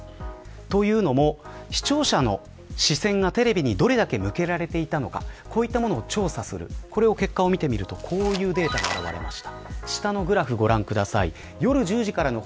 というのも、視聴者の視線がテレビにどれだけ向けられていたのかこういったものを調査するこの結果を見てみるとこういうデータが現れました。